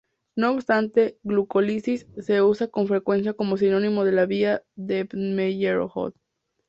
No obstante, glucólisis se usa con frecuencia como sinónimo de la vía de Embden-Meyerhof.